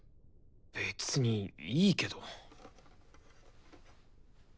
別にいいけど。